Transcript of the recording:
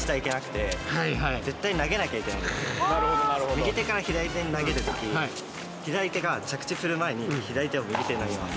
右手から左手に投げる時左手が左手を右手に投げます。